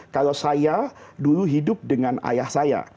kalau saya dulu hidup dengan ayah saya